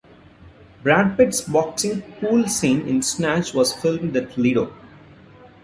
Brad Pitt's boxing "pool" scene in "Snatch" was filmed at the Lido.